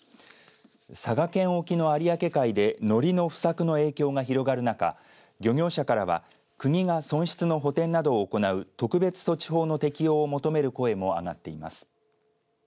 佐賀県沖の有明海でのりの不作の影響が広がる中漁業者からは国が損失の補填などを行う特別措置法の適用を求める声も上がっています。